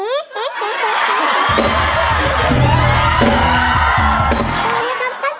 สวัสดีครับครั้งต่อ